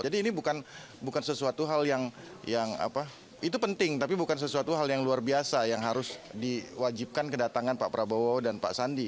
ini bukan sesuatu hal yang apa itu penting tapi bukan sesuatu hal yang luar biasa yang harus diwajibkan kedatangan pak prabowo dan pak sandi